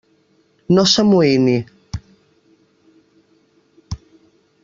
No s'amoïni.